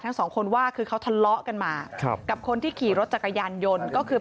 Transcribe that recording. ทั้งสองคนว่าคือเขาทะเลาะกันมาครับกับคนที่ขี่รถจักรยานยนต์ก็คือ